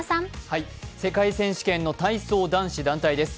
世界選手権の体操男子団体です。